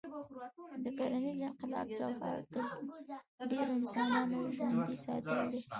د کرنيز انقلاب جوهر د ډېرو انسانانو ژوندي ساتل دي.